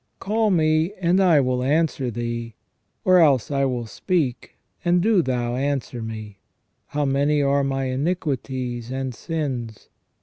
Call me, and I will answer Thee; or else I will speak, and do Thou answer me. How many are my iniquities and sins?